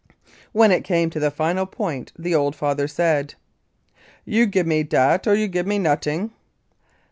When it came to the final point the old father said, "You give me dat, or you give me not'ing."